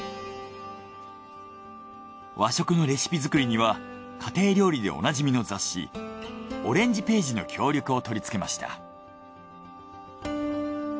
和食のレシピ作りには家庭料理でおなじみの雑誌『オレンジページ』の協力を取りつけました。